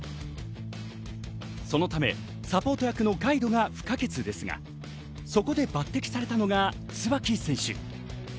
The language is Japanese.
そのため、サポート役のガイドが不可欠ですが、そこで抜てきされたのが椿選手。